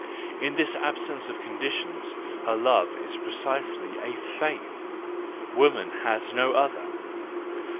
In this absence of conditions her love is precisely a faith: woman has no other.